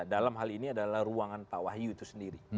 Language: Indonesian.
dalam hal ini adalah ruangan pak wahyu itu sendiri